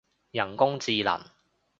人工智能